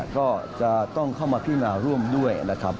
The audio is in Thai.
ก็จะต้องเข้ามาพินาฯร่วมด้วย